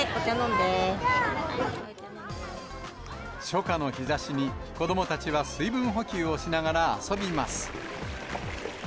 初夏の日ざしに、子どもたちは水分補給をしながら遊びます。